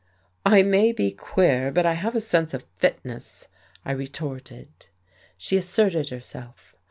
"I maybe queer, but I have a sense of fitness," I retorted. She asserted herself.